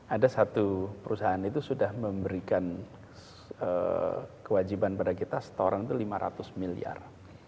ada satu perusahaan itu sudah memberikan kewajiban pada kita setoran itu lima ratus miliar